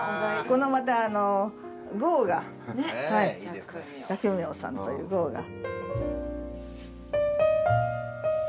このまたあの号が寂明さんという号が。